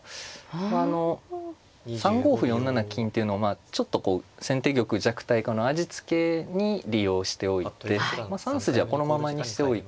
まああの３五歩４七金っていうのはちょっとこう先手玉弱体化の味付けに利用しておいて３筋はこのままにしておいて。